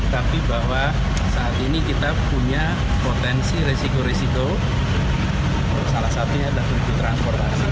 tapi bahwa saat ini kita punya potensi resiko resiko salah satunya ada turun di transportasi